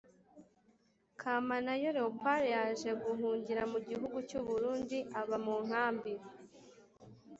Kamanayo leopord yaje guhungira mu gihugu cy u burundi aba mu nkambi